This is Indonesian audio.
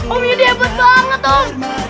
om yudi hebat banget om